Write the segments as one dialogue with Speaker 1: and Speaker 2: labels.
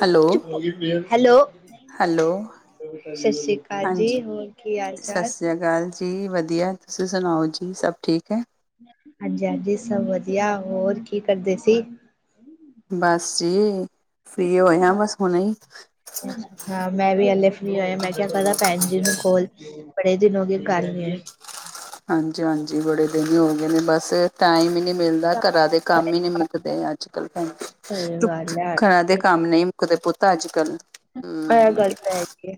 Speaker 1: Hello
Speaker 2: hello.
Speaker 1: Hello.
Speaker 2: ਸ਼ਾਸਰੀ ਕਾਲ
Speaker 1: ਹਾਂਜੀ
Speaker 2: ਜੀ, ਹੋਰ ਕੀ ਹਾਲ
Speaker 1: ਸਤਿ
Speaker 2: ਚਾਲ?
Speaker 1: ਸ੍ਰੀ ਅਕਾਲ ਜੀ ਵਧੀਆ, ਤੁਸੀਂ ਸੁਣਾਓ ਜੀ, ਸਭ ਠੀਕ ਏ।
Speaker 2: ਹਾਂਜੀ-ਹਾਂਜੀ ਸਭ ਵਧੀਆ, ਹੋਰ ਕੀ ਕਰਦੇ ਸੀ?
Speaker 1: ਬਸ ਜੀ, ਫਰੀ ਹੋਏ ਆ ਬਸ ਹੁਣੇ।
Speaker 2: ਹਾਂ ਮੈਂ ਵੀ ਅਲੇ ਫ੍ਰਰੀ ਹੋਇਆ, ਮੈਂ ਕਹਿਆ ਕਰਾ ਭੈਣ ਜੀਨੂੰ ਕੋਲ ਬੜੇ ਦਿਨ ਹੋ ਗਏ ਗੱਲ ਨੀਂ ਹੋਈ।
Speaker 1: ਹਾਂਜੀ- ਹਾਂਜੀ, ਬੜੇ ਦਿਨ ਹੀ ਹੋ ਗਏ ਨੇ ਬਸ ਟਾਈਮ ਹੀ ਨੀ ਮਿਲ। ਘਰਾਂ ਦੇ ਕੰਮ ਹੀ ਨੀ ਮੁੱਕਦੇ ਅੱਜ ਕੱਲ
Speaker 2: ਸਹੀ
Speaker 1: ਭੈਣਜੀ
Speaker 2: ਗੱਲ ਹੈ
Speaker 1: ਘਰਾਂ ਦੇ। ਕੰਮ ਨਹੀਂ ਮੁੱਕਦੇ ਪੁੱਤ ਅੱਜ ਕੱਲ।
Speaker 2: ਇਹ ਗੱਲ ਤੇ ਹੈਗੀ ਐ,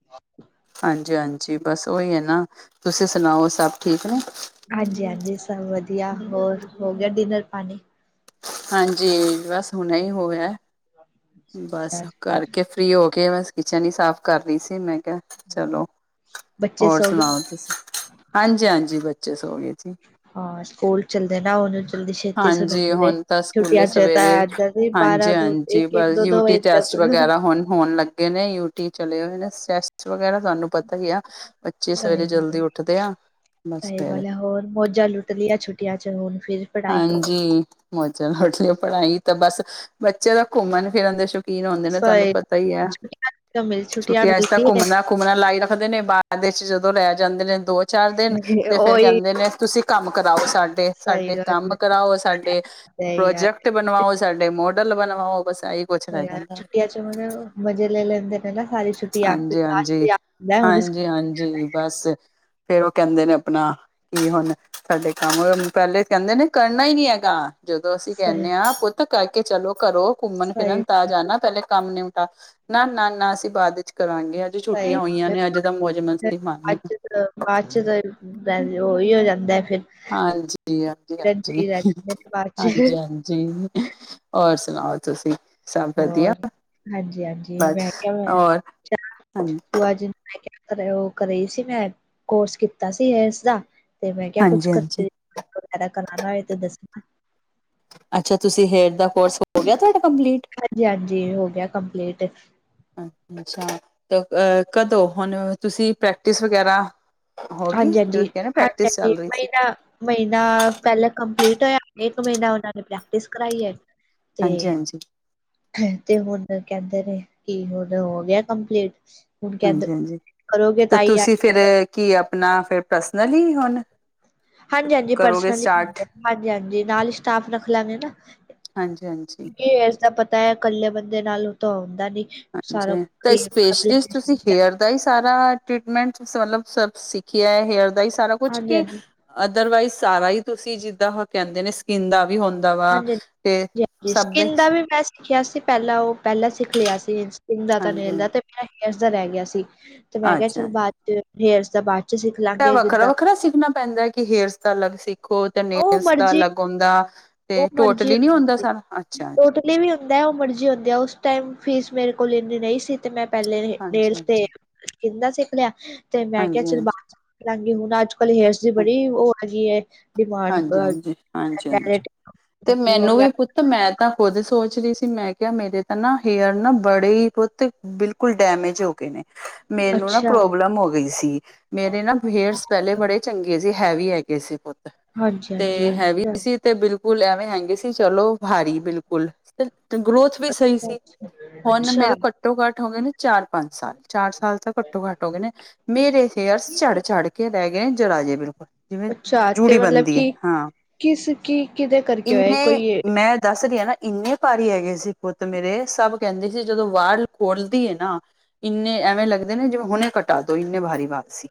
Speaker 1: ਹਾਂਜੀ-ਹਾਂਜੀ ਬਸ ਓਹੀ ਹੈ ਨਾ, ਤੁਸੀਂ ਸੁਣਾਓ ਸਭ ਠੀਕ ਨੇ।
Speaker 2: ਹਾਂਜੀ-ਹਾਂਜੀ ਸਭ ਵਧੀਆ, ਹੋਰ ਹੋ ਗਿਆ ਡਿਨਰ ਪਾਣੀ?
Speaker 1: ਹਾਂਜੀ, ਬਸ ਹੁਣ ਹੀ ਹੋਇਆ। ਬਸ
Speaker 2: ਅੱਛਾ ਅੱਛਾ
Speaker 1: ਕਰਕੇ ਫਰੀ ਹੋ ਕੇ ਬਸ ਕਿਚਨ ਹੀ ਸਾਫ਼ ਕਰ ਰਹੀ ਸੀ ਮੈਂ ਕਿਹਾ। ਚਲੋ
Speaker 2: ਬੱਚੇ
Speaker 1: ਹੋਰ
Speaker 2: ਸੋ ਗਏ
Speaker 1: ਸੁਣਾਓ ਤੁਸੀਂ ਹਾਂਜੀ, ਹਾਂਜੀ ਬੱਚੇ ਸ ਹੋ ਗਏ ਸੀ।
Speaker 2: ਹਾਂ ਸਕੂਲ ਚੱਲਦੇ ਨਾ ਉਹਨੂੰ ਦੀ ਛੇਤੀ ਸੋ
Speaker 1: ਹਾਂਜੀ
Speaker 2: ਜਾਦੇ ਨੇ
Speaker 1: ਹੁਣ ਤਾਂ
Speaker 2: ਕਿਉਕਿ
Speaker 1: ਸਕੂਲੇ
Speaker 2: ਅਜ ਇਕ
Speaker 1: ਸਵੇਰੇ
Speaker 2: ਇਧਰ ਬਾਰਾਂ ਦੋ ਇਕ ਇਕ ਤੋ ਦੋ
Speaker 1: ਟੇਸਟ
Speaker 2: ਤੱਕ
Speaker 1: ਵਗੈਰਾ ਹੋਣ-ਹੋਣ ਲੱਗੇ ਨੇ ਯੂਟੀ ਚਲੇ ਹੋਏ, ਨੇ ਸੈਸਟ ਵਗੈਰਾ ਤੁਹਾਨੂੰ ਪਤਾ ਹੀ ਆ ਬੱਚੇ
Speaker 2: ਸਹੀ
Speaker 1: ਸਵੇਰੇ ਜਲਦੀ
Speaker 2: ਗੱਲ
Speaker 1: ਉੱਠਦੇ ਆ ਬਸ
Speaker 2: ਸਹੀ
Speaker 1: ਫਿਰ
Speaker 2: ਗੱਲ ਹੈ ਹੋਰ ਮੋਜਾ ਲੁਟ ਲੀਆਂ ਛੁੱਟੀਆਂ ਚ ਹੁਣ ਫਿਰ ਪੜ੍ਹਾਈ
Speaker 1: ਹਾਂਜੀ ਮੌਜਾ ਲੁਟ ਪੜ੍ਹਾਈ ਤਾਂ ਬਸ ਬੱਚੇ ਤਾਂ ਘੁੰਮਣ ਫਿਰਨ ਦੇ ਏਹ ਨਾ ਹੁਦੇ ਤੁਹਾਨੂੰ
Speaker 2: ਸਹੀ
Speaker 1: ਪਤਾ ਹੀ ਆ
Speaker 2: ਛੁੱਟੀਆਂ ਮਿਲ
Speaker 1: ਛੁੱਟੀਆਂ ਚ ਤਾਂ
Speaker 2: ਮਿਲਦੀ
Speaker 1: ਘੁੰਮਣਾ ਘੁੰਮਣਾ ਲਾਈ ਰੱਖਦੇ ਨੇ ਬਾਾਹਰ ਦੇਸ ਵਿੱਚ ਜਦੋਂ ਲੈ ਜਾਂਦੇ ਨੇ ਦੋ ਚਾਰ ਦਿਨ
Speaker 2: ਹੈ
Speaker 1: ਤੇ ਫੇਰ
Speaker 2: ਉਹੀ
Speaker 1: ਕਹਿੰਦੇ ਨੇ ਤੁਸੀਂ ਕੰਮ ਕਰਾਓ ਸਾਡੇ,
Speaker 2: ਸਹੀ
Speaker 1: ਸਾਡੇ ਕੰਮ
Speaker 2: ਗੱਲ
Speaker 1: ਕਰਾਓ ਸਾਡੇ
Speaker 2: ਹੈ ਯਾਰ
Speaker 1: ਪ੍ਰੋਜੈਕਟ ਬਣਵਾਓ, ਸਾਡੇ ਮੋਡਲ ਬਣਵਾਓ ਬਸ ਏ ਈ
Speaker 2: ਯਾਰ ਛੁਟੀਆਂ ਚ ਮਜ਼ੇ ਲੈ ਲੈਂਦੇ ਨੇ ਸਾਰੀ ਛੱਟੀ ਆ ਫਿਰ ਲਾਸਟ ਆਉਂਦਾ
Speaker 1: ਹਾਂਜੀ, ਹਾਂਜੀ ਬਸ ਫੇਰ ਉਹ ਕਹਿੰਦੇ ਨੇ ਆਪਣਾ ਕੀ ਹੁਣ ਸਾਡੇ ਕੰਮ ਪਹਿਲੇ ਕਹਿੰਦੇ ਨੇ ਕਰਨਾ ਹੀ ਨੀ ਹੈਗਾ, ਜਦੋਂ ਅਸੀਂ
Speaker 2: ਸਹੀ
Speaker 1: ਕਹਿੰਦੇ ਹਾਂ ਪੁੱਤ ਕਹਿਕੇ ਚਲੋ ਕਰੋ। ਘੁੰਮਣ
Speaker 2: ਸਹੀ
Speaker 1: ਫਿਰਨ ਤਾਂ ਜਾ ਨਾ ਪਹਿਲੇ ਕੰਮ ਨਿਮਟਾ ਨਾ, ਨਾ, ਨਾ ਅਸੀਂ ਬਾਅਦ ਚ ਕਰਾਂਗੇ। ਅੱਜ
Speaker 2: ਸਹੀ
Speaker 1: ਛੁੱਟੀਆਂ ਹੋਈਆਂ
Speaker 2: ਗੱਲ
Speaker 1: ਨੇ, ਅੱਜ ਤਾਂ ਮੌਜ
Speaker 2: ਹੈ
Speaker 1: ਮਸਤੀ
Speaker 2: ਬਾਅਦ
Speaker 1: ਮਾਰਨੀ।
Speaker 2: ਚ ਬਾਅਦ 'ਚ ਤਾਂ ਬਲੋਈ ਹੋ ਜਾਂਦਾ ਫਿਰ।
Speaker 1: ਹਾਂਜੀ,
Speaker 2: ਫਿਰਨ ਤੇ ਹੀ ਰਹਿ
Speaker 1: ਹਾਂਜੀ-ਹਾਂਜੀ,
Speaker 2: ਜਾਂਦੇ ਨੇ ਬਾਅਦ ਚ
Speaker 1: ਹਾਂਜੀ-ਹਾਂਜੀ। ਜੀ, ਹੋਰ ਸੁਣਾਓ ਤੁਸੀ?
Speaker 2: ਹੋਰ ਹਾਂਜੀ, ਹਾਂਜੀ
Speaker 1: ਬਸ
Speaker 2: ਮੈਂ ਕਿਹਾ ਮੈਂ
Speaker 1: ਔਰ
Speaker 2: ਚਲੋ ਅਜ ਮੈਂ ਕਿਆ ਕਰ ਉਹ ਘਰੇ ਹੀ ਸੀ ਮੈਂ ਕੋਰਸ ਕੀਤਾ ਸੀ, ਇਸ ਦਾ ਤੇ ਮੈਂ ਕਿਹਾ ਕੁਛ
Speaker 1: ਹਾਂਜੀ
Speaker 2: ਕਰ
Speaker 1: ਹਾਂਜੀ
Speaker 2: ਵਗੈਰਾ ਕਰਾਂਨਾ ਹੋ ਤੇ ਦੱਸਣਾ।
Speaker 1: ਅੱਛਾ ਤੁਸੀਂ ਹੇਰ ਦਾ ਕੋਰਸ ਹੋ ਗਿਆ, ਤੁਹਾਡਾ ਕੰਪਲੀਟ।
Speaker 2: ਹਾਂਜੀ, ਹਾਂਜੀ ਹੋ ਗਿਆ ਕੰਪਲੀਟ।
Speaker 1: ਅੱਛਾ ਅ ਕਦੋਂ ਹੁਣ ਤੁਸੀਂ ਪ੍ਰੈਕਟਿਸ ਵਗੈਰਾ ਹੋ ਗਈ
Speaker 2: ਹਾਂਜੀ,
Speaker 1: ਤੇ
Speaker 2: ਹਾਂਜੀ,
Speaker 1: ਕਹਿ
Speaker 2: ਹਾਂਜੀ,
Speaker 1: ਪ੍ਰੈਕਟਿਸ
Speaker 2: ਹਾਂਜੀ
Speaker 1: ਚੱਲ ਰਹੀ
Speaker 2: ਨਹੀ
Speaker 1: ਸੀ।
Speaker 2: ਤਾਂ ਮਹੀਨਾ ਪਹਿਲਾਂ ਕੰਪਲੀਟ ਹੋਇਆ ਇੱਕ ਮਹੀਨਾ ਉਹਨਾਂ ਨੇ ਪ੍ਰੈਕਟਿਸ ਕਰਵਾਈ ਹੈ। ਤੇ
Speaker 1: ਹਾਂਜੀ ਹਾਂਜੀ
Speaker 2: ਤੇ ਹੁਣ ਕਹਿੰਦੇ ਨੇ ਕਿ ਹੁਣ ਹੋ ਗਿਆ ਕੰਪਲੀਟ। ਹੁਣ ਕਹਿੰਦੇ
Speaker 1: ਹਾਂਜੀ, ਹਾਂਜੀ
Speaker 2: ਕਰੋਗੇ
Speaker 1: ਤੇ
Speaker 2: ਤਾਂ ਹੀ ਆ
Speaker 1: ਤੁਸੀਂ ਫਿਰ ਕੀ ਆਪਣਾ ਫਿਰ ਪਰਸਨਲੀ ਹੁਣ
Speaker 2: ਹਾਂਜੀ, ਹਾਂਜੀ
Speaker 1: ਕਰੋਗੇ
Speaker 2: ਪਰਸਨਲੀ
Speaker 1: ਸਟਾਰਟ
Speaker 2: ਖੋਲਿਆ ਹਾਂ ਹਾਂਜੀ ਨਾਲ ਹੀ ਸਟਾਫ ਰੱਖ ਲਾ ਗੇ ਨਾ
Speaker 1: ਹਾਂਜੀ ਹਾਂਜੀ
Speaker 2: ਇਸਦਾ ਪਤਾ ਹੈ ਇਕੱਲੇ ਬੰਦੇ ਨਾਲ ਤੇ ਹੁੰਦਾ ਨਹੀ।
Speaker 1: ਹਾਂਜੀ ਤੇ ਸਪੇਸ਼ਲਿਸਟ ਤੁਸੀਂ
Speaker 2: ਹਾਂਜੀ-ਹਾਂਜੀ,
Speaker 1: ਹੇਅਰ ਦਾ ਹੀ ਸਾਰਾ ਟ੍ਰੀਟਮੈਂਟ ਮਤਲਬ ਸਿੱਖਿਆ ਹੇਅਰ ਦਾ ਹੀ ਸਾਰਾ ਕੁਛ ਕਿ
Speaker 2: ਹਾਂਜੀ-ਹਾਂਜੀ।
Speaker 1: ਅਦਰਵਾਈਜ਼ ਸਾਰਾ ਹੀ ਤੁਸੀਂ ਜਿੱਦਾਂ ਉਹ ਕਹਿੰਦੇ ਨੇ ਸਕਿੰਨ ਦਾ ਵੀ ਹੁੰਦਾ ਵਾ
Speaker 2: ਹਾਂਜੀ ਹ
Speaker 1: ਤੇ
Speaker 2: ਹਾਂਜੀ
Speaker 1: ਸਭ ਦੇ
Speaker 2: ਸਕਿੰਨ ਦਾ ਵੀ ਮੈ ਸਿਖਿਆ ਸੀ ਪਹਿਲਾਂ ਉਹ ਪਹਿਲਾਂ ਸਿੱਖ ਲਿਆ ਸੀ ਸਕੀਨ ਦਾ
Speaker 1: ਹਾਂਜੀ
Speaker 2: ਤੇ ਨੇਲ ਦਾ
Speaker 1: ਹਾਂਜੀ
Speaker 2: ਮੇਰਾ ਹੇਅਰਸ ਦਾ ਰਹਿ ਗਿਆ ਸੀ। ਤੇ ਮੈਂ ਕਿਹਾ
Speaker 1: ਅੱਛਾ
Speaker 2: ਚੱਲ ਬਾਅਦ ਚ ਹੇਅਰ ਦਾ ਬਾਅਦ ਚ ਸਿੱਖ
Speaker 1: ਏਹ
Speaker 2: ਲਾਂਗੇ
Speaker 1: ਵੱਖਰਾ,
Speaker 2: ਜਿੱਦਾਂ
Speaker 1: ਵੱਖਰਾ ਸਿੱਖਣਾ ਪੈਂਦਾ ਕਿ ਹੇਅਰਸ ਦਾ ਅਲੱਗ ਸਿੱਖੋ ਤੇ
Speaker 2: ਉਹ
Speaker 1: ਨੇਲਸ ਦਾ
Speaker 2: ਮਰਜੀ
Speaker 1: ਅਲੱਗ ਹੁੰਦਾ। ਤੇ
Speaker 2: ਉਹ
Speaker 1: ਟੋਟਲੀ
Speaker 2: ਮਰਜੀ
Speaker 1: ਹੀ ਨੀ ਹੁੰਦਾ
Speaker 2: ਹੁੰਦੀ
Speaker 1: ਸਾਰਾ ਅੱਛਾ, ਅਛਾ।
Speaker 2: ਟੋਟਲੀ ਵੀ ਹੁੰਦਾ ਉਹ ਮਰਜ਼ੀ ਹੁੰਦੀ ਹੈ ਉਸ ਟਾਈਮ ਫੀਸ ਮੇਰੇ ਕੋਲ ਇੰਨੀ ਨਹੀਂ ਸੀ ਤੇ ਮੈਂ ਪਹਿਲੇ ਨੇਲ ਤੇ
Speaker 1: ਹਾਂਜੀ-ਹਾਂਜੀ,
Speaker 2: ਸਕੀਨ ਦਾ ਸਿੱਖ ਲਿਆ ਤੇ ਮੈਂ ਕਿਹਾ ਚੱਲ
Speaker 1: ਹਾਂਜੀ-ਹਾਂਜੀ,
Speaker 2: ਬਾਾਅਦ ਸਿਖ ਲਾਗੀ ਹੁਣ ਅੱਜ ਕਲ ਹੇਅਰ ਦੀ ਬੜੀ ਉਹ ਹੈਗੀ ਹੈ ਡਿਮਾਂਡ
Speaker 1: ਹਾਂਜੀ-ਹਾਂਜੀ, ਹਾਂਜੀ-ਹਾਂਜੀ ਤੇ ਮੈਨੂੰ ਵੀ ਪੁੱਛ ਮੈਂ ਤਾਂ ਖੁਦ ਸੋਚ ਰਹੀ ਸੀ ਮੈਂ ਕਿਹਾ ਮੇਰੇ ਤਾਂ ਨਾ ਹੇਅਰ ਨਾ ਬੜੇ ਹੀ ਪੁਤ ਬਿਲਕੁਲ ਡੈਮੇਜ ਹੋ ਗਏ ਨੇ ਮੈਨੂੰ ਨਾ
Speaker 2: ਅੱਛਾ
Speaker 1: ਪ੍ਰੋਬਲਮ ਹੋ ਗਈ ਸੀ। ਮੇਰੇ ਨਾ ਹੇਅਰਸ ਪਹਿਲੇ ਬੜੇ ਚੰਗੇ ਸੀ ਹੈਵੀ ਹੈਗੇ ਸੀ ਪੁੱਤ
Speaker 2: ਹਾਂਜੀ ਹਾਂਜੀ
Speaker 1: ਤੇ ਹੈਵੀ
Speaker 2: ਅੱਛਾ
Speaker 1: ਸੀ ਤੇ ਬਿਲਕੁਲ ਐਵੇਂ ਹੈਂਗੇ ਸੀ ਚਲੋ ਭਾਰੀ ਬਿਲਕੁਲ ਗਰੋਥ ਵੀ ਸਹੀ
Speaker 2: ਅੱਛਾ
Speaker 1: ਸੀ ਹੁਣ
Speaker 2: ਅੱਛਾ
Speaker 1: ਮੇਰੇ ਘੱਟੋ ਘੱਟ ਹੋ ਗਏ ਨੇ ਚਾਰ ਪੰਜ ਸਾਲ ਚਾਰ ਸਾਲ ਤਾਂ ਘੱਟੋ ਘੱਟ ਹੋ ਗਏ ਨੇ ਮੇਰੇ ਹੇਅਰਸ ਝੜ ਝੜ ਕੇ ਰਹਿ ਗਏ ਨੇ ਜਰਾਜੇ ਬਿਲਕੁਲ ਜਿਵੇਂ
Speaker 2: ਅਛਾ ਤੇ
Speaker 1: ਜੂੜੀ
Speaker 2: ਮਤਲਬ
Speaker 1: ਬਣਦੀ ਹੈ
Speaker 2: ਕਿ
Speaker 1: ਹਾਂ
Speaker 2: ਕਿਸ ਕੀ ਕਿਹਦੇ ਕਰਕੇ ਹੋਇਆ
Speaker 1: ਇੰਨੇ
Speaker 2: ਕੋਈ
Speaker 1: ਮੈਂ ਦੱਸ ਰਹੀ ਹਾਂ ਨਾ- ਇਨੇ ਭਾਰੀ ਹੈਗੇ ਸੀ ਪੁੱਤ ਮੇਰੇ ਸਭ ਕਹਿਦੇ ਸੀ ਜਦੋ ਵਾਲ ਖੋਲਦੀ ਹੈ। ਨਾ ਇਨੇ ਐਵੇ ਲੱਗਦੇ ਨੇ ਜਿਵੇ ਹੁਣੇ ਘਟਾ ਦੋ ਇਨੇ ਭਾਰੀ ਵਾਲ ਸੀ।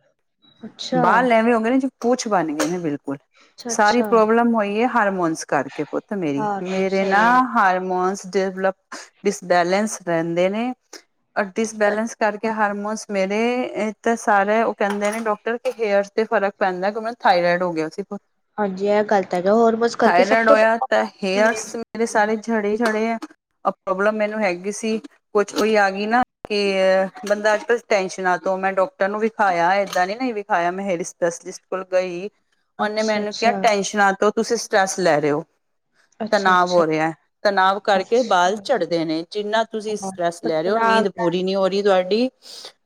Speaker 2: ਅੱਛਾ
Speaker 1: ਬਾਲ ਐਵੇ ਹੋਗੇ ਏ ਨੇ ਜੋ ਪੁੱਛ ਬਨ ਗਈ ਨਹੀ ਗੀ ਬਿਲਕੁਲ
Speaker 2: ਅੱਛਾ
Speaker 1: ਸਾਰੀ
Speaker 2: ਅੱਛਾ
Speaker 1: ਪ੍ਰੋਬਲਮ ਹੋਈ ਹੈ। ਹਾਰਮੋਨਸ ਕਰਕੇ ਪੁੱਤ ਮੇਰੀ
Speaker 2: ਹਾਂ
Speaker 1: ਮੇਰੇ ਨਾ
Speaker 2: ਸਹੀ ਹੈ
Speaker 1: ਹਾਰਮੋਨਸ ਡਿਲਪ ਡਿਸਬੈਲੈਂਸ ਰਹਿਦੇ ਨੇ ਔਰ ਡਿਸਬੈਲੈਸ ਕਰਕੇ ਹਾਰਮੋਨਸ ਮੇਰੇ ਤਾਂ ਸਾਰੇ ਉਹ ਕਹਿਦੇ ਨੇ ਡਾਕਟਰ ਕਿ ਹੇਅਰ ਤੇ ਫਰਕ ਪੈਦਾ ਕਿਉਕਿ ਥਾਇਰੋਇਡ ਹੋ ਗਿਆ ਸੀ ਪੁੱਤ।
Speaker 2: ਹਾਂਜੀ ਇਹ ਗੱਲ ਤਾ ਹੈ। ਜੀ ਹੋਰ ਬਸ
Speaker 1: ਥਾਇਰੇਇਡ ਹੋਇਆ ਤਾਂ ਹੇਅਰਸ ਮੇਰੇ ਸਾਰੇ ਛੜੇ-ਛੜੇ ਆ ਪ੍ਰੋਬਲਮ ਮੈਨੂੰ ਹੈਗੀ ਸੀ ਕੁਛ ਕੋਈ ਆ ਗਈ ਨਾ ਕਿ ਬੰਦਾ ਅੱਜ ਕਲ ਟੈਨਸ਼ਨਾਂ ਤੋ ਮੈ ਡਾਕਟਰ ਡਾਕਟਰ ਨੂੰ ਵਿਖਾਇਆ ਏਦਾਂ ਨੀ ਨਹੀ ਵਿਖਾਇਆ ਮੈ ਹੇਰੀ ਸਪੈਸ਼ਲਿਸਟ ਕੋਲ ਗਈ ਉਹ ਨੇ ਮੈਨੂੰ ਕਿਹਾ
Speaker 2: ਅੱਛਾ-ਅੱਛਾ,
Speaker 1: ਟੈਸ਼ਨਾਂ ਤੋ ਤੁਸੀ ਸਟਰ੍ਰੈਸ ਲੈ ਰਹੇ ਹੋ ਤੇ ਤਣਾਵ
Speaker 2: ਅੱਛਾ-ਅੱਛਾ,
Speaker 1: ਹੋ ਰਿਹਾ। ਤਣਾਵ ਕਰਕੇ ਬਾਲ
Speaker 2: ਅੱਛਾ।
Speaker 1: ਝੜਦੇ ਨੇ ਜਿੰਨਾ ਤੁਸੀਂ ਸਟਰ੍ਰੈਸ ਲੈ ਰਹੇ ਹੋ
Speaker 2: ਆਰਾਮ
Speaker 1: ਨੀਂਦ
Speaker 2: ਨਾਲ
Speaker 1: ਪੂਰੀ ਨਹੀਂ ਹੋ ਰਹੀ ਤੁਹਾਡੀ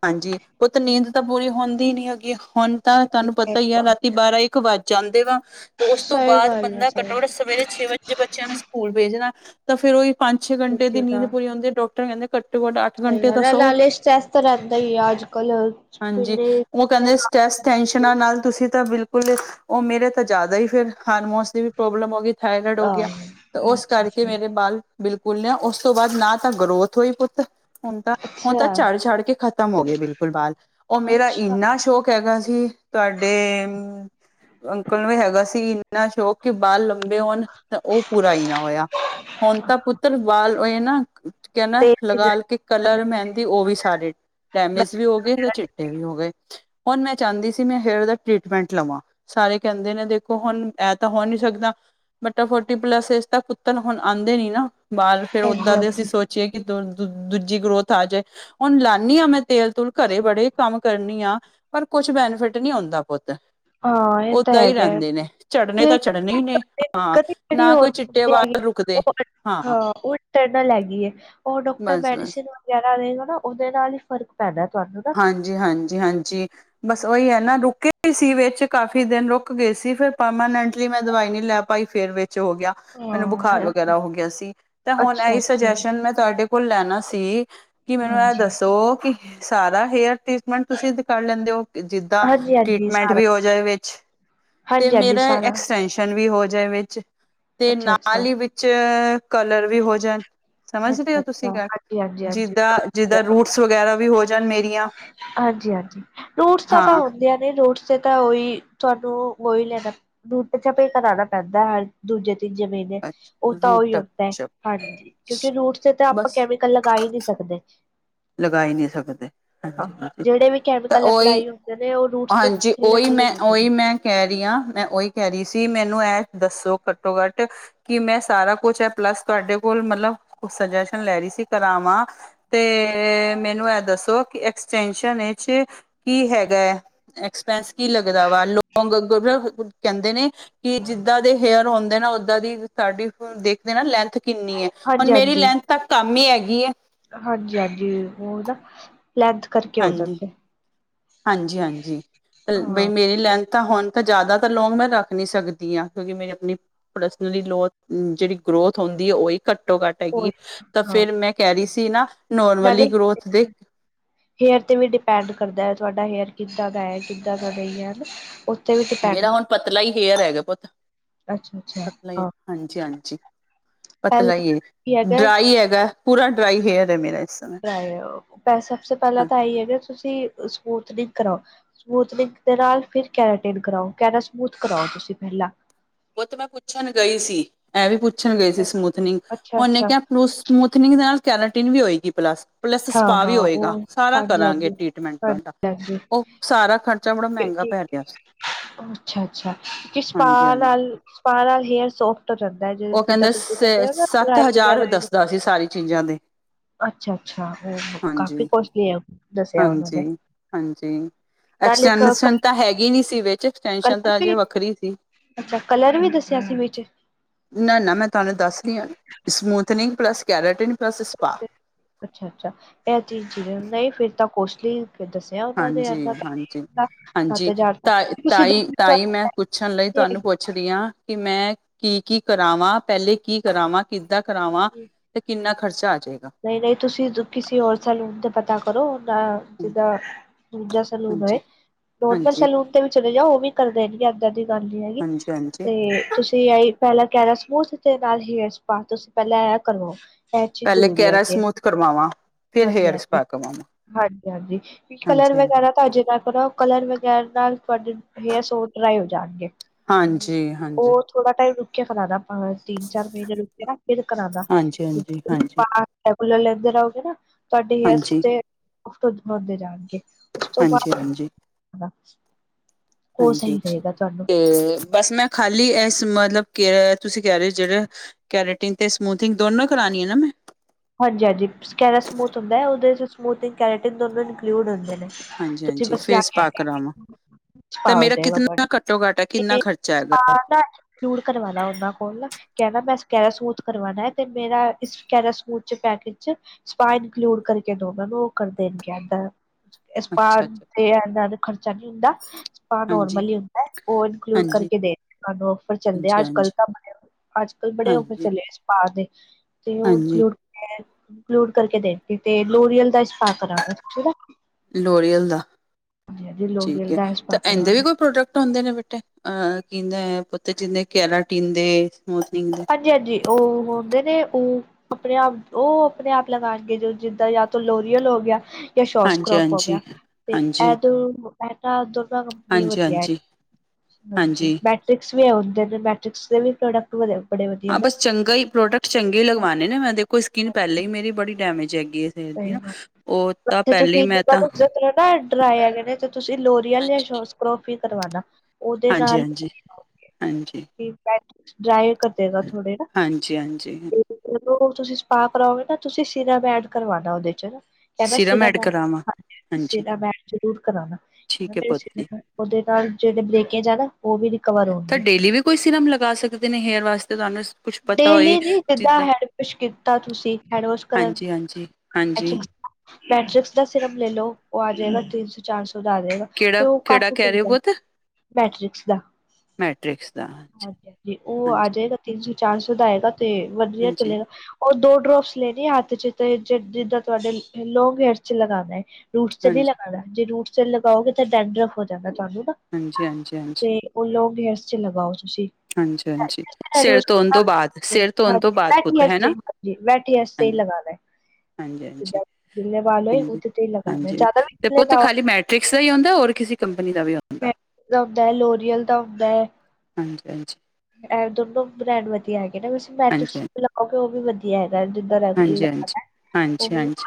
Speaker 1: ਹਾਂਜੀ ਪੁੱਤ ਨੀਂਦ ਤਾਂ ਪੂਰੀ ਹੁੰਦੀ ਨੀ ਹੈਗੀ ਹੁਣ ਤਾਂ
Speaker 2: ਸਹੀ
Speaker 1: ਤੁਹਾਨੂੰ
Speaker 2: ਹੈ,
Speaker 1: ਪਤਾ ਹੀ ਆ ਰਾਤੀ ਬਾਰਾਂ ਇੱਕ ਵੱਜ ਜਾਂਦੇ ਵਾ ਤੇ ਉਸ ਤੋਂ
Speaker 2: ਸਹੀ
Speaker 1: ਬਾਅਦ
Speaker 2: ਗੱਲ ਹੈ
Speaker 1: ਬੰਦਾ
Speaker 2: ਸਹੀ।
Speaker 1: ਘਟੋ ਘਟ ਸਵੇਰੇ ਛੇ ਵਜੇ ਜੇ ਬੱਚਿਆਂ ਨੂੰ ਸਕੂਲ ਭੇਜਣਾ ਤਾਂ ਫੇਰ ਉਹੀ ਪੰਜ ਛੇ ਘੰਟੇ ਦੀ
Speaker 2: ਸੱਚੀ ਤਾਂ
Speaker 1: ਨੀਂਦ ਪੂਰੀ ਹੁੰਦੀ ਹੈ ਡਾਕਟਰ ਕਹਿੰਦੇ ਘਟੋ ਘੱਟ ਅੱਠ
Speaker 2: ਸਹੀ
Speaker 1: ਘੰਟੇ ਤਾ
Speaker 2: ਗੱਲ ਹੈ
Speaker 1: ਸੋਵੋ।
Speaker 2: ਨਾਲੇ ਸਟ੍ਰੈਸ ਤਾਂ ਰਹਿੰਦਾ ਹੀ ਆ ਅੱਜ ਕੱਲ
Speaker 1: ਹਾਂਜੀ,
Speaker 2: ਕਿੰਨੇ
Speaker 1: ਉਹ
Speaker 2: ਕਿੰਨੇ
Speaker 1: ਕਹਿਦੇ ਸਟਰੈਸ
Speaker 2: ਕੰਮ ਹੁੰਦੇ।
Speaker 1: ਟੈਨਸ਼ਨਾਂ ਨਾਲ ਤੁਸੀ ਤਾਂ ਬਿਲਕੁਲ ਉਹ ਮੇਰੇ ਤਾਂ ਜ਼ਿਆਦਾ ਹੀ ਫੇਰ ਹਾਰਮੋਨਸ ਦੀ ਵੀ ਪ੍ਰੋਬਲਮ ਹੋ ਗਈ ਥਾਈਰੈਡ ਹੋ ਗਿਆ
Speaker 2: ਆਹ
Speaker 1: ਤੇ ਉਸ ਕਰਕੇ
Speaker 2: ਅੱਛਾ-ਅੱਛਾ,
Speaker 1: ਮੇਰੇ ਬਾਲ ਬਿਲਕੁਲ ਨਹੀ ਉਸ ਤੋਂ ਬਾਅਦ ਨਾ ਤਾਂ ਗਰੋਥ ਹੋਈ ਪੁੱਤ ਹੁਣ ਤਾਂ ਹੁਣ ਤਾਂ ਝੜ-
Speaker 2: ਅੱਛਾ-ਅੱਛਾ।
Speaker 1: ਝੜ ਕੇ ਖਤਮ ਹੋ ਗਏ ਬਿਲਕੁਲ ਬਾਲ ਉਹ ਮੇਰਾ ਇਨਾ ਸੋਕ ਹੈਗਾ ਸੀ, ਤੁਆਡੇ ਅ-ਮ ਅੰਕਲ ਨੂੰ ਵੀ ਹੈਗਾ ਸੀ ਇੰ ਨਾ ਸੋ਼ਕ ਕਿ ਬਾਲ ਲੰਬੇ ਹੋਣ, ਤਾਂ ਉਹ ਪੂਰਾ ਹੀ ਨਾ ਹੋਇਆ। ਹੁਣ ਤਾਂ ਪੁੱਤਰ ਵਾਲ ਓ ਏ ਨਾ, ਕੇ ਨਾ,
Speaker 2: ਤੇ
Speaker 1: ਲਗਾ-ਲ ਕੇ ਕਲਰ ਮਹਿੰਦੀ ਉਹ ਵੀ ਸਾਰੇ ਡੈਮੇਜ਼ ਵੀ ਹੋ ਗੇ, ਤੇ ਚਿੱਟੇ ਵੀ ਹੋ ਗਏ। ਹੁਣ ਮੈਂ ਚਾਂਦੀ ਸੀ ਮੈਂ ਹੇਅਰ ਦਾ ਟਰੀਟਮੈਂਟ ਲਵਾਂ। ਸਾਰੇ ਕੈਂਦੇ ਨੇ ਦੇਖੋ ਹੁਣ ਐ ਤਾਂ ਹੋ ਨਹੀ ਸਕਦਾ ਬਟ ਆ‌ ਫੌਟੀ ਪਲੱਸ ਏਜ ਤਕ ਉਤੇ ਨੂੰ ਹੁਣ ਆਂਦੇ ਨੀ ਨਾ ਬਾਹਰ ਫੇਰ ਓਦਾ ਦੇ ਅਸੀ
Speaker 2: ਹਾਂਜੀ-ਹਾਂਜੀ
Speaker 1: ਸੋਚ ਚਿਆ ਕਿ ਦੋਰ-ਦੂਦ ਦੂਜੀ ਗਰੋਥ ਆ ਜੇ ਹੁਣ ਲਾਨੀ ਆਂ ਮੈਂ ਤੇਲ ਤੁਲ। ਘਰੇ ਬੜੇ ਕੰਮ ਕਰਨੀ ਆਂ। ਪਰ ਕੁਛ ਬੈਨੀਫਿਟ ਨਹੀ ਹੋਂਦਾ ਪੁੱਤ
Speaker 2: ਹਾਂ ਇਹ ਤਾਂ
Speaker 1: ਓਦਾਂ ਹੀ
Speaker 2: ਹੈਗਾ‌ ਐ
Speaker 1: ਰਹਿੰਦੇ ਨੇ ਚੜਨੇ
Speaker 2: ਤੇ
Speaker 1: ਤਾਂ ਚੜਨੇ ਹੀ ਨੇ ਹਾਂ
Speaker 2: [unintelligible]
Speaker 1: ਨਾ ਕੋਈ ਚਿੱਟੇ ਵਾਲ ਰੁਕਦੇ
Speaker 2: ਹਾਂ ਉਹ ਇੰਟਰਨਲ ਹੈਗੀ ਹੈ। ਉਹ ਡੌਕਟਰ
Speaker 1: ਬਸ ਬਸ
Speaker 2: ਮੈਡੀਸਿਨ ਵਗੈਰਾ ਦਏਗਾ ਨਾ, ਉਹਦੇ ਨਾਲ ਹੀ ਫਰਕ ਪੈਣਾ ਐ ਤੁਆਨੂੰ ਨਾ
Speaker 1: ਹਾਂਜੀ ਹਾਂਜੀ ਹਾਂਜੀ ਬਸ ਉਈ ਐ ਨਾ। ਰੁਕੇ ਈ ਸੀ ਵਿਚ ਕਾਫੀ ਦਿਨ ਰੁੱਕ ਗਏ ਸੀ ਫਿਰ ਪਰਮਾਨੈਂਟਲੀ, ਮੈਂ ਦਵਾਈ ਨੀ ਲੈ ਪਾਈ ਫਿਰ ਵਿਚ ਹੋ ਗਿਆ। ਮੈਨੂੰ ਬੁਖਾਰ
Speaker 2: ਹਾਂ
Speaker 1: ਵਗੈਰਾ ਹੋ ਗਿਆ ਸੀ। ਤੇ ਹੁਣ
Speaker 2: ਅੱਛਾ
Speaker 1: ਐਈ
Speaker 2: ਅੱਛਾ
Speaker 1: ਸਜੈਸ਼ਨ ਮੈ ਤੁਆਡੇ ਕੋਲੋ ਲੈਣਾ ਸੀ, ਕਿ ਮੈਨੂੰ ਇਹ
Speaker 2: ਹਾਂਜੀ
Speaker 1: ਦੱਸੋ ਕਿ ਸਾਰਾ ਹੇਅਰ ਤੇ ਮੈਂਟ ਤੁਸੀ ਤ ਕਰ ਲੈਦੇ ਓ, ਜਿਦਾਂ
Speaker 2: ਹਾਂਜੀ ਹਾਂਜੀ
Speaker 1: ਟ੍ਰੀਟਮੈਂਟ
Speaker 2: ਸਾਰਾ
Speaker 1: ਵੀ ਹੋ ਜਾਏ ਵਿਚ ਤੇ
Speaker 2: ਹਾਂਜੀ ਹਾਂਜੀ
Speaker 1: ਮੇਰਾ
Speaker 2: ਸਾਰਾ
Speaker 1: ਐਕਸਟੈਂਸ਼ ਨ ਵੀ ਹੋ ਜਾਏ ਵਿਚ, ਤੇ
Speaker 2: ਅੱਛਾ ਅੱਛਾ
Speaker 1: ਨਾਲ ਈ ਵਿਚ ਕਲਰ ਵੀ ਹੋ ਜਾਣ। ਸਮਝ ਰੇ
Speaker 2: ਅੱਛਾ
Speaker 1: ਓ ਤੁਸੀ
Speaker 2: ਅੱਛਾ
Speaker 1: ਗੱਲ।
Speaker 2: ਹਾਂਜੀ ਹਾਂਜੀ
Speaker 1: ਜਿਦਾਂ ਜਿਦਾਂ
Speaker 2: ਹਾਂਜੀ
Speaker 1: ਰੂਟਸ ਵਗੈਰਾ ਵੀ ਹੋ ਜਾਣ ਮੇਰੀ
Speaker 2: ਹਾਂਜੀ ਹਾਂਜੀ ਰੂਟਸ ਦਾ ਤਾਂ
Speaker 1: ਹਾਂ
Speaker 2: ਹੁਨ ਨਈ ਰੁਟਸ ਤੇ ਤਾਂ ਉਈ ਤੁਹਾਨੂੰ ਉਈ ਲੈਣਾ ਰੂਟ ਪੇਚਅਪ ਈ ਕਰਾਣਾ ਪੈਂਦਾ, ਹਰ ਦੂਜੇ ਤੀਜੇ ਮੀਨ ਨੇ। ਉਹ
Speaker 1: ਅੱਛਾ
Speaker 2: ਤਾਂ ਉਈ
Speaker 1: ਰੂਟਪ
Speaker 2: ਹੁੰਦਾ ਐ।
Speaker 1: ਚਪ
Speaker 2: ਹਾਂਜੀ, ਕਿਉਕਿ ਰੂਟਸ ਤੇ ਤਾਂ ਆਪਾ
Speaker 1: ਬਸ
Speaker 2: ਕੈਮੀਕਲ ਲਗਾ ਈ ਨੀ ਸਕਦੇ।
Speaker 1: ਲਗੲ ਈ ਨੀ ਸਕਦੇ।
Speaker 2: ਹਾਂ ਜਿਹੜੇ ਵੀ
Speaker 1: ਤਾਂ
Speaker 2: ਕੈਮੀਕਲ
Speaker 1: ਓਈ,
Speaker 2: ਅਪਲਾਈ ਹੁੰਦੇ ਨੇ ਉਹ ਰੂਟਸ ਤੇ
Speaker 1: ਹਾਂਜੀ
Speaker 2: ਥੱਲੇ
Speaker 1: ਓਈ
Speaker 2: ਥੱਲੇ
Speaker 1: ਮੈਂ,
Speaker 2: ਹੀ ਹੁੰਦੇ
Speaker 1: ਓਈ
Speaker 2: ਨੇ
Speaker 1: ਮੈੰ ਕਹਿ ਰਹੀ ਆਂ, ਮੈਂ ਓ ਈ ਕਹਿ ਰਹੀ ਸੀ, ਮੈਨੂੰ ਐਹ ਦੱਸੋ ਘੱਟੋ ਘੱਟ ਕਿ ਮੈਂ ਸਾਰਾ ਕੁਛ ਐ ਪਲੱਸ ਤੁਹਾਡੇ ਕੋਲ, ਮਤਲਬ ਕੁ ਸੁਜੈਸ਼ਨ ਲੈ ਰਹੀ ਸੀ, ਕਰਾਵਾਂ ਤੇ, ਮੈਨੂੰ ਐਹ ਦੱਸੋ ਕਿ ਐਕਸਟੈਂਸ਼ਨ ਇਚ, ਕੀ ਹੈਗਾ ਐ? ਐਕਸਪੈਂਸ ਕੀ ਲੱਗਦਾ ਵਾ। ਲੌਂਗ-ਗ-ਗ ਕਹਿੰਦੇ ਨੇ ਕਿ ਜਿੱਦਾਂ ਦੇ ਹੇਅਰ ਹੋਂਦੇ ਨੇ। ਓਦਾਂ ਦੀ ਤਾਡੀ ਦੇਖਦੇ ਨਾ, ਲੈਂਥ ਕਿੰਨੀ ਐ। ਹੁਣ
Speaker 2: ਹਾਂਜੀ
Speaker 1: ਮੇਰੀ
Speaker 2: ਹਾਂਜੀ
Speaker 1: ਲੈਂਥ ਤਾਂ ਕਮ ਈ ਹੈਗੀ ਐ।
Speaker 2: ਹਾਂਜੀ ਹਾਂਜੀ, ਉਹ ਨਾ ਲੈਂਥ ਕਰਕੇ ਹੋ
Speaker 1: ਹਾਂਜੀ
Speaker 2: ਜਾਂਦਾ ਐ।
Speaker 1: ਹਾਂਜੀ ਹਾਂਜੀ। ਪ-ਲ-ਬਈ ਮੇਰੇ ਲੈਂਥ ਤਾਂ, ਹੁਣ ਤਾਂ, ਜ਼ਿਆਦਾ ਤਾਂ ਲੌਂਗ ਮੈਂ ਰੱਖ ਨੀ ਸਕਦੀ ਆਂ। ਕਿਉਂਕਿ ਮੇਰੀ ਅਪਣੀ ਪਰਸਨਲੀ ਲੋ, ਜਿਹੜੀ ਗਰੋਥ ਹੋਂਦੀ ਆ ਓ ਈ ਘੱਟੋ ਘੱਟ ਹੈਗੀ
Speaker 2: ਉਹ
Speaker 1: ਐ। ਤਾਂ
Speaker 2: ਹਾਂ
Speaker 1: ਫੇਰ ਮੈਂ ਕਹਿ ਰਹੀ ਸੀ ਨਾ ਨੋਰਮਲੀ
Speaker 2: ਨਾਲੇ
Speaker 1: ਗਰੋਥ ਦੇ
Speaker 2: ਹੇਅਰ ਤੇ ਵੀ ਡਿਪੈਂਡ ਕਰਦਾ ਐ, ਤੁਆਡਾ ਹੇਅਰ ਕਿੱਦਾਂ ਦਾ ਐ, ਕਿੱਦਾਂ ਦਾ ਨਹੀਂ ਐ, ਹਨਾ।
Speaker 1: ਮੇਰਾ ਹੁਣ ਪਤਲਾ ਈ ਹੇਅਰ ਹੈਗਾ ਪੁੱਤ।
Speaker 2: ਅੱਛਾ-ਅੱਛਾ।
Speaker 1: ਪਤਲਾ ਈ
Speaker 2: ਹਾਂ
Speaker 1: ਹਾਂਜੀ ਹਾਂਜੀ। ਪਤਲਾ
Speaker 2: ਪਹਿਲਾਂ
Speaker 1: ਈ ਏ,
Speaker 2: ਕੀ ਹੈਗਾ
Speaker 1: ਡਰਾਈ ਹੈਗਾ ਐ। ਪੂਰਾ ਡਰਾਈ ਹੇਅਰ ਹੈ ਮੇਰਾ ਇਸ ਸਮੇਂ
Speaker 2: ਕਰਾਇਓ, ਪਰ ਸਭਸੇ ਪਹਿਲਾਂ ਤਾਂ ਐ
Speaker 1: ਹਾਂਜੀ
Speaker 2: ਈ ਕਿ ਤੁਸੀਂ ਸਮੂਥਨਿੰਗ ਕਰਾਓ। ਸਮੂਥਨਿੰਗ ਦੇ ਨਾਲ ਫਿਰ ਕੈਰਾਟੀਨ ਕਰਾਓ, ਕੈਰਾ ਸਮੂਥ ਕਰਾਓ ਤੁਸੀ ਪਹਿਲਾ।
Speaker 1: ਪੁਤ ਮੈਂ ਪੁੱਛਣ ਗਈ ਸੀ, ਐਵੀ ਪੁੱਛਣ ਗਈ ਸੀ
Speaker 2: ਅੱਛਾ,
Speaker 1: ਸਮੂਥਨਿੰਗ, ਉਹਨੇ
Speaker 2: ਅੱਛਾ-ਅੱਛਾ।
Speaker 1: ਕਿਆ ਨੂੰ ਸਮੂਥਨਿੰਗ ਦੇ ਨਾਲ ਕੈਰਟੀਨ ਵੀ ਹੋਏਗੀ ਪਲੱਸ ਪਲੱਸ ਸਪਾਅ ਵੀ
Speaker 2: ਹਾਂ-ਹਾਂ
Speaker 1: ਹੋਏਗਾ।
Speaker 2: ਉਹ
Speaker 1: ਸਾਰਾ ਕਰਾਂਗੇ
Speaker 2: ਹਾਂਜੀ-ਹਾਂਜੀ।
Speaker 1: ਟ੍ਰੀਟਮੈਂਟ ਤੁਆਡਾ ਉਹ ਸਾਰਾ ਖੰ
Speaker 2: ਕਿ ਕੀ ਅੱਛਾ ਅੱਛਾ, ਕਿ ਸਪਾ
Speaker 1: ਹਾਂਜੀ ਹਾਂਜੀ
Speaker 2: ਨਾਲ, ਸਪਾ ਨਾਲ ਹੇਅਰ ਸੋਫ ਤਾਂ ਜਾਂਦਾ ਐ ਜੇ
Speaker 1: ਉਹ ਕੈਂਦੇ ਸੇ-ਸੱਤ ਹਜ਼ਾਰ ਦੱਸਦਾ ਸੀ ਸਾਰੀ ਚੀਜ਼ਾਂ ਦੇ
Speaker 2: ਅੱਛਾ ਅੱਛਾ, ਓ-ਮ ਕਾਫ਼ੀ
Speaker 1: ਹਾਂਜੀ
Speaker 2: ਕੌਸਟਲੀ ਐ, ਦੱਸਿਆ ਉਹਨਾਂ ਨੇ।
Speaker 1: ਹਾਂਜੀ ਹਾਂਜੀ।
Speaker 2: ਨਾਲੇ
Speaker 1: ਐਕਸਟੈਂਸ਼ਨ
Speaker 2: ਕਲਰ
Speaker 1: ਤਾਂ ਹੈਗੀ ਨਹੀਂ ਸੀ ਵਿਚ, ਐਕਸਟੈਂਸ਼ਨ ਤਾਂ ਅਜੇ
Speaker 2: ਵੀ
Speaker 1: ਵੱਖਰੀ ਸੀ
Speaker 2: ਅੱਛਾ, ਕਲਰ ਵੀ ਦੱਸਿਆ ਸੀ ਵਿਚ
Speaker 1: ਨਾ-ਨਾ ਮੈਂ ਤੁਹਾਨੂੰ ਦੱਸ ਰਹੀ ਹਾਂ, smoothening plus keratin plus spa
Speaker 2: ਅੱਛਾ-ਅੱਛਾ, ਇਹ ਚੀਜ਼ ਨਹੀਂ ਫਿਰ ਤਾਂ ਕੋਸਟਲੀ ਦੱਸ
Speaker 1: ਹਾਂਜੀ, ਹਾਂਜੀ-ਹਾਂਜੀ
Speaker 2: ਹਜ਼ਾਰ
Speaker 1: ਤਾ
Speaker 2: ਤੱਕ ਤੁਸੀਂ
Speaker 1: ਤਾਈ-ਤਾਈ ਮੈਂ ਪੁੱਛਣ ਲਈ ਤੁਹਾਨੂੰ ਪੁ ਪੁੱਛਰੀਆਂ ਕਿ ਮੈਂ ਕੀ-ਕੀ ਕਰਾਵਾਂ, ਪਹਿਲੇ ਕੀ ਕਰਾਵਾਂ ਕਿੱਦਾਂ ਕਰਾਵਾਂ ਤੇ ਕਿੰਨਾ ਖਰਚਾ ਆ ਜਾਏਗਾ?
Speaker 2: ਨਹੀਂ-ਨਹੀਂ ਤੁਸੀਂ ਕਿਸੇ ਹੋਰ ਸੈਲੂਨ ਤੇ ਪਤਾ ਕਰੋ ਨਾ ਜਿਦਾਂ ਊਰਜਾ ਸਲੂਨ ਏ
Speaker 1: ਹਾਂਜੀ
Speaker 2: ਹੋਰ ਕੋਇ
Speaker 1: ਹਾਂਜੀ
Speaker 2: ਸੈਲੂਨ ਤੇ ਵੀ ਚਲੇ ਜਾਓ ਉਹ ਵੀ ਕਰ ਦੇਣਗੇ, ਇਏਦਾਂ ਦੀ ਗੱਲ ਨੀ ਹੈਗੀ,
Speaker 1: ਹਾਂਜੀ-ਹਾਂਜੀ
Speaker 2: ਤੇ ਤੁਸੀਂ ਅਈ ਪਹਿਲਾਂ ਕਹਿ ਰੇ ਸੀ ਨਾ ਸਮੂਥ ਨਾਲ ਹੇਅਰ ਸਪਾ, ਤੁਸੀਂ ਪਹਿਲਾਂ ਇਹ ਕਰਵਾੳ, ਐ
Speaker 1: ਪਹਿਲੇ ਕੇਹਿਰਾ ਸਮੂਥ ਕਰਵਾਵਾਂ, ਫੇਰ
Speaker 2: ਹਾਂਜੀ
Speaker 1: ਹੇਅਰ
Speaker 2: ਹਾਂਜੀ
Speaker 1: ਸਪਾ ਕਰਵਾਵਾਂ
Speaker 2: ਹਾਂਜੀ-ਹਾਂਜੀ, ਕਲਰ
Speaker 1: ਹਾਂਜੀ-ਹਾਂਜੀ।
Speaker 2: ਵਗੈਰਾ ਤਾਂ ਅਜੇ ਨਾ ਕਰਾਓ, ਕਲਰ ਵਗੈਰਾ ਨਾਲ ਤੁਹਾਡੇ [unintelligible] ਸੋ ਤਰਾ ਹੀ ਹੋ ਜਾਣਗੇ ਹਮ,
Speaker 1: ਹਾਂਜੀ-ਹਾਂਜੀ।
Speaker 2: ਉਹ ਥੋੜਾ ਟਾਈਮ ਰੁਕਕੇ ਕਰਾਨਾ ਤਿੰਨ, ਚਾਰ ਮਹੀਨੇ ਰੁਕੇ ਨਾ, ਫਿਰ ਕਰਾਂਨਾ
Speaker 1: ਹਾਂਜੀ-ਹਾਂਜੀ, ਹਾਂਜੀ।
Speaker 2: ਆਪ ਰੈਗੂਲਰ ਲੈਂਦੇ ਰਹੋਗੇ ਨਾ, ਤੁਹਾਡੇ ਹੇਅਰਸ
Speaker 1: ਹਾਂਜੀ, ਹਾਂਜੀ-ਹਾਂਜੀ, ਹਾਂਜੀ
Speaker 2: [unintelligible] ਹੁੰਦੇ ਜਾਣਗੇ ਉਸ ਤੋਂ
Speaker 1: ਹਾਂਜੀ ਹਾਂਜੀ
Speaker 2: ਬਾਅਦ [unintelligible] ਉਹ
Speaker 1: ਹਾਂਜੀ,
Speaker 2: ਸਹੀ ਰਹੇਗਾ ਤੁਹਾਨੂੰ
Speaker 1: ਤੇ ਬਸ ਮੈਂ ਖਾਲੀ ਇਸ ਮਤਲਬ ਕਿ ਤੁਸੀਂ ਕਹਿ ਰਹੇ ਹੋ ਜਿਹੜੇ ਕੈਰੇਟਿਨ ਤੇ ਸਮੂਥਿੰਗ ਦੋਨੋਂ ਕਰਾਉਣੀ ਹੈ ਨਾ ਮੈਂ
Speaker 2: ਹਾਂਜੀ-ਹਾਂਜੀ ਸਕੈਰਾ ਸਮੂਥ ਹੁੰਦਾ ਹੈ, ਉਹਦੇ ਚ ਸਮੂਥਿੰਗ ਕੈਰੇਟਨ ਦੋਨੋਂ ਇਨਕਲੂਡ ਹੁੰਦੇ ਨੇ
Speaker 1: ਹਾਂਜੀ-ਹਾਂਜੀ ਫੇਸ ਪਾ ਕਰਾਨਾ
Speaker 2: ਅੱਛਾ ਹੋ ਜਾਏਗਾ ਤੁਹਾਡਾ,
Speaker 1: ਹੈ ਕਿੰਨਾ
Speaker 2: ਇਹ
Speaker 1: ਖਰਚਾ
Speaker 2: ਛ
Speaker 1: ਹੈਗਾ
Speaker 2: ਕਰਵਾਣਾ, ਉਹਨਾਂ ਕੋਲ ਕਹਿਣਾ ਮੈਂ ਕੈਰਾਸਮੂਥ ਕਰਵਾਣਾ ਹੈ ਤੇ ਮੇਰਾ ਇਸ ਕੈਰਾਸਮੂਥ। ਜ ਪੈਕੇਟ ਚ ਸਪਾ ਇੰਕਲੂਡ ਕਰਕੇ ਦੋਨਾਂ ਨੂੰ ਉਹ ਕਰ ਦੇਣ ਕਹਿੰਦਾ। ਇਸ ਪਾ
Speaker 1: ਅੱਛਾ-ਅੱਛਾ
Speaker 2: ਤੇ ਇੰਨਾ ਦੇ ਖਰਚਾ ਨਹੀ ਹੁੰਦਾ। ਆ
Speaker 1: ਹਾਂਜੀ-ਹਾਂਜੀ,
Speaker 2: ਨੋਰਮਲੀ ਹੁੰਦਾ, ਉਹ ਇਨਕਲੂਡ ਕਰਕੇ ਦੋ ਫੇਰ ਚੱਲਦੇ ਆ ਅੱਜ ਕੱਲ
Speaker 1: ਹਾਂਜੀ-ਹਾਂਜੀ,
Speaker 2: ਤਾਂ [inaudible] ਅੱਜ-ਕੱਲ੍ਹ ਬੜੇ ਔਫਰ ਚਲੇ ਆ ਸਪਾ ਦੇ ਤੇ ਉਹ
Speaker 1: ਹਾਂਜੀ-ਹਾਂਜੀ
Speaker 2: ਇੰਕਲੂਡ। ਇਕਲੂਡ ਕਰਕੇ ਦੇਖਤੀ ਤੇ ਲੋਰੀਅਲ ਦਾ ਸਪਾ ਕਰਾਂਗਾ। ਠੀਕ ਐ।
Speaker 1: ਲੋਰੀਅਲ ਦਾ ਠੀਕ
Speaker 2: ਲੋਰੀਅਲ
Speaker 1: ਹੈ,
Speaker 2: ਦਾ ਸਪਾ
Speaker 1: ਤਾਂ ਇੰਦੇ
Speaker 2: ਕਰਵਾਣਾ
Speaker 1: ਵੀ ਕੋਈ ਪ੍ਰੋਡਕਟ ਆਉਂਦੇ ਨੇ ਬੇਟੇ। ਅਹ ਕਹਿੰਦਾ ਹੈ, ਪੁੱਤ ਜਿੰਨੇ ਕੇਰਾਟੀਣ ਦੇ ਸਮੂਥਨਿੰਗ
Speaker 2: ਹਾਂਜੀ-ਹਾਂਜੀ ਉਹ ਹੁੰਦੇ ਨੇ ਉਹ ਆਪਣੇ ਆਪ ਉਹ ਆਪਣੇ ਆਪ ਲਗਾਉਣਗੇ, ਜੋ ਜਿੱਦਾਂ ਜਾਂ ਤ ਲੋਰੀਅਲ ਹੋ ਗਿਆ। ਤੇ ਸ਼ੋਸ
Speaker 1: ਹਾਂਜੀ
Speaker 2: ਕਰ੍ਰਫ ਹੋ ਗਿਆ,
Speaker 1: ਹਾਂਜੀ
Speaker 2: ਤੇ
Speaker 1: ਹਾਂਜੀ
Speaker 2: ਇਹ ਦੋ ਇੰਨਾ ਦੋਨਾਂ ਕੰਪਨੀ
Speaker 1: ਹਾਂਜੀ
Speaker 2: ਵਧੀਆ,
Speaker 1: ਹਾਂਜੀ
Speaker 2: ਹਾਂਜੀ ਮੈਟ੍ਰਿਕਸ ਵੀ ਐ ਹੋਂਦੇ ਨੇ, ਮੈ੍ਰਿਕ ਦੇ ਵੀ ਪ੍ਰੋਡਕਟ ਵਧੀ
Speaker 1: ਹਾਂ ਬਸ ਚੰਗਾ ਈ ਪ੍ਰੋਡਕਟ ਚੰਗੇ ਈ ਲਗਵਾਣੇ ਨੇ। ਮੈਂ ਦੇਖੋ ਸਕਿਨ ਪੈਲੇ ਈ ਮੇਰੀ ਬੜੀ ਡੈਮੇਜ ਹੈਗੀ ਜੇ।
Speaker 2: ਸਈ ਗੱਲ ਆ ਏਥੋਂ ਤੁਸੀਂ ਜਿੱਦਾਂ
Speaker 1: ਤਾਂ
Speaker 2: ਤਰ੍ਹਾਂ ਨਾ ਡਰਾਏ ਹੈਗੇ ਨੇ ਤੇ ਤੁਸੀਂ ਲੋਰੀਅਲ ਜਾਂ
Speaker 1: ਹਾਂਜੀ
Speaker 2: ਸ਼ੋਰਟ ਪਰੋਫੀ ਕਰਵਾਣਾ ਓਦੇ
Speaker 1: ਹਾਂਜੀ
Speaker 2: ਨਾਲ
Speaker 1: ਹਾਂਜੀ ਹਾਂਜੀ
Speaker 2: ਡਰਾਈ ਕਰ ਦੇਗਾ ਥੋੜੇ ਨਾ-
Speaker 1: ਹਾਂਜੀ ਹਾਂਜੀ
Speaker 2: ਜਦੋਂ ਤੁਸੀਂ ਸਪਾ ਕਰਾਓਗੇ ਨਾ ਤੁਸੀਂ ਸਿਰਮ ਐਡ ਕਰਵਾ ਓਦੇ 'ਚ ਨਾ। ਕੈਂਦਾ
Speaker 1: ਸਿਰਮ
Speaker 2: ਸਿਰਾ
Speaker 1: ਐਡ
Speaker 2: ਮੈਂ
Speaker 1: ਕਰਾਵਾਂ
Speaker 2: ਹਾਂਜੀ-ਹਾਂਜੀ
Speaker 1: ਹਾਂਜੀ
Speaker 2: ਸਿਰਾ ਮੈਂ ਜ਼ਰੂਰ ਕਰਾਨਾ ਕੈਂਦਾ
Speaker 1: ਠੀਕ ਹੈ
Speaker 2: ਮੇਰੇ
Speaker 1: ਪੁੱਤ
Speaker 2: ਸਿਰੇ
Speaker 1: ਜੀ
Speaker 2: ਨਾ ਉਹਦੇ ਨਾਲ ਜਿਹੜੇ ਬਰੇਕੇਜ ਹੇਨਾ, ਉਹ ਵੀ ਰਿਕਵਰ
Speaker 1: ਤਾਂ
Speaker 2: ਹੋਣਗੇ
Speaker 1: ਡੇਲੀ ਵੀ ਕੋਈ ਸਿਰਮ ਲਗਾ ਸਕਦੇ ਨੇ, ਹੇਅਰ ਵਾਸਤੇ ਤੁਹਾਨੂੰ ਕੁਛ ਪਤਾ ਹੋਏ
Speaker 2: ਡੇਲੀ ਨੀ ਜਿੱਦਾਂ ਹੈਡ ਵਾਸ਼ ਕੀਤਾ ਤੁਸੀਂ ਹੈਂਡ ਵਾਸ਼ ਕਰਨ
Speaker 1: ਹਾਂਜੀ ਹਾਂਜੀ ਹਾਂਜੀ
Speaker 2: ਬਾਦਚ ਮੈਟ੍ਰਿਕਸ ਦਾ ਸਿਰਮ ਲੈ ਲਓ, ਉਹ ਆ ਜਾਏਗਾ ਤਿੰਨ ਸੌ, ਚਾਰ ਸੌ ਦਾ ਆ ਜਾਏਗਾ
Speaker 1: ਕਿਹੜਾ
Speaker 2: ਤੇ ਉਹ
Speaker 1: ਕਿਹੜਾ
Speaker 2: ਕਾਫੀ
Speaker 1: ਕਹਿ ਰਹੇ ਹੋ
Speaker 2: ਚਹੀਦਾ
Speaker 1: ਪੁੱਤ
Speaker 2: ਬੈਟਰਿਕਸ ਦਾ।
Speaker 1: ਮੈਟ੍ਰਿਕਸ ਦਾ ਹਾਂਜੀ
Speaker 2: ਹਾਂਜੀ-ਹਾਂਜੀ ਉਹ ਆ
Speaker 1: ਹਾਂਜੀ
Speaker 2: ਜਾਏਗਾ। ਤਿੰਨ ਸੌ ਚਾਰ ਸੌ ਦਾ ਆਏਗਾ ਤੇ ਵਧੀਆ
Speaker 1: ਹਾਂਜੀ
Speaker 2: ਚਲੇਗਾ। ਉਹ ਦੋ ਡਰੋਪਸ ਲੈਣੀ ਹੱਥ ਚ ਤੇ ਜ ਜਿੱਦਾਂ ਤੁਹਾਡੇ ਲੋਂਗ ਹੇਅਰ ਚ ਲਗਾਉਣਾ ਹੈ। ਰੂਟਸ ਚ ਨੀ
Speaker 1: ਹਾਂਜੀ
Speaker 2: ਲਗਾਉਣਾ, ਜੇ ਰੂਟਸ ਚ ਲਗਾਓਗੇ, ਤਾਂ ਡੈਂਡਰਫ ਹੋ ਜਾਂਦਾ ਤੁਹਾਨੂੰ ਨਾ
Speaker 1: ਹਾਂਜੀ-ਹਾਂਜੀ-ਹਾਂਜੀ।
Speaker 2: ਤੇ ਉਹ ਲੌਂਗ ਹੇਅਰ ਚ ਲਗਾਓ ਤੁਸੀਂ
Speaker 1: ਹਾਂਜੀ, ਹਾਂਜੀ
Speaker 2: ਵੈਟ
Speaker 1: ਸਿਰ
Speaker 2: ਹੇਅਰਸ
Speaker 1: ਤੋਨ ਤੋਂ ਬਾਅਦ ਸਿਰ ਧੋਣ ਤੋਂ ਬਾਅਦ, ਪੁੱਤ ਹੈ
Speaker 2: ਚ
Speaker 1: ਨਾ
Speaker 2: ਹਾਂਜੀ ਵੈਟ ਹੇਅਰਸ ਤੇ ਹੀ
Speaker 1: ਹਾਂਜੀ।
Speaker 2: ਲਗਾਣਾ ਐ
Speaker 1: ਹਾਂਜੀ,
Speaker 2: ਜਿੱਦਾਂ
Speaker 1: ਹਾਂਜੀ,
Speaker 2: ਗਿੱਲੇ ਵਾਲ ਹੋਏ
Speaker 1: ਹਾਂਜੀ,
Speaker 2: ਉਹਦੇ ਤੇ ਹੀ ਲਗਾਣਾ
Speaker 1: ਹਾਂਜੀ,
Speaker 2: ਜ਼ਿਆਦਾ ਵੀ
Speaker 1: ਤੇ
Speaker 2: ਗਿੱਲੇ
Speaker 1: ਪੁੱਤ
Speaker 2: ਨਾ ਹੋਣ।
Speaker 1: ਖਾਲੀ ਮੈਟ੍ਰਿਕਸ ਦਾ ਹੀ ਆਉਂਦਾ ਹੋਰ ਕਿਸੇ। ਕੰਪਨੀ ਦਾ ਵੀ ਆਉਂਦ
Speaker 2: [unintelligible] ਦਾ ਹੁੰਦਾ ਐ ਲੋਰੀਅਲ ਦਾ ਹੁੰਦਾ ਐ।
Speaker 1: ਹਾਂਜੀ ਹਾਂਜੀ
Speaker 2: ਐ ਦੋਨੋ ਬ੍ਰੈਂਡ ਵਧੀਆ ਹੈਗੇ ਨੇ ਬਾਦ ਚ ਮੈਟਿਕਸ
Speaker 1: ਹਾਂਜੀ
Speaker 2: ਲਗਾਓਗੇ ਓ ਵੀ ਵਧੀਆ- ਧੀਆਂ ਹੈਗਾ ਜਿੱਦਾਂ ਰੇਗੁਲ
Speaker 1: ਹਾਂਜੀ ਹਾਂਜੀ ਹਾਂਜੀ ਹਾਂਜੀ।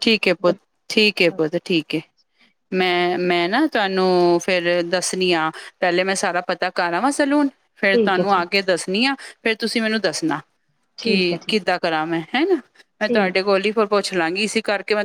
Speaker 1: ਠੀਕ ਏ ਪੁੱਤ। ਠੀਕ ਏ ਪੁਤ। ਠੀਕ ਏ।
Speaker 2: ਚਲੋ
Speaker 1: ਮੈਂ ਮੈਂ ਨ ਤਾਨੂੰ ਫੇਰ ਦੱਸਣੀ ਆਂ। ਪੈਲੇ ਮੈਂ ਸਾਰਾ ਪਤਾ ਕਰ‌ ਆਵਾਂ ਸਲੂਨ। ਫੇਰ
Speaker 2: ਠੀਕ ਹੈ
Speaker 1: ਤਾਨੂੰ ਆ
Speaker 2: ਜੀ
Speaker 1: ਕੇ ਦੱਸਣੀ ਆ ਫੇਰ ਤੁਸੀਂ ਮੈਨੂੰ ਦੱਸਣਾ ਕੀ
Speaker 2: ਠੀਕ ਹੈ ਜੀ
Speaker 1: ਕਿੱਦਾਂ ਕਰਾਂ ਮੈਂ। ਹੇਨਾ ਮੈਂ
Speaker 2: ਠੀਕ
Speaker 1: ਤੁਆਡੇ ਕੋਲ ਈ ਪੁੱਛ ਲਾਂਗੀ, ਇਸ ਕਰਕੇ ਮੈਂ